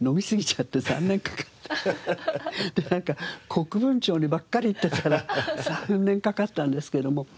国分町にばっかり行ってたら３年かかったんですけども。